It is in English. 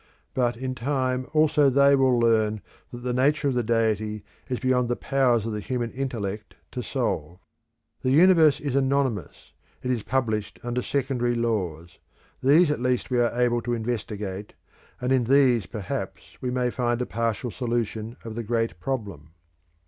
But in time also they will learn that the nature of the Deity is beyond the powers of the human intellect to solve. The universe is anonymous; it is published under secondary laws; these at least we are able to investigate, and in these perhaps we may find a partial solution of the great problem.